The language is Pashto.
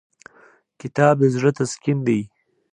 کتاب د زړه تسکین دی.